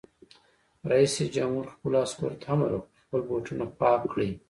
رئیس جمهور خپلو عسکرو ته امر وکړ؛ خپل بوټونه پاک کړئ!